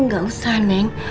gak usah neng